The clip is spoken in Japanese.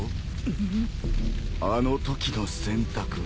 あのときの選択を。